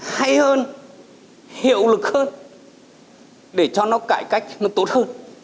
hay hơn hiệu lực hơn để cho nó cải cách nó tốt hơn